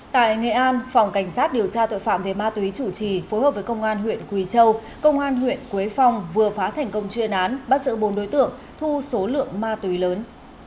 tại nghệ an phòng cảnh sát điều tra tội phạm về ma túy chủ trì phối hợp với công an huyện quỳ châu công an huyện quế phong vừa phá thành công chuyên án bắt giữ bốn đối tượng thu số lượng ma túy lớn